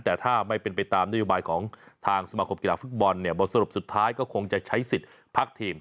แต่ถ้าไม่เป็นไปตามนโยบายของทางสมาคมกีฬาฟุตบอลเนี่ยบทสรุปสุดท้ายก็คงจะใช้สิทธิ์พักทีม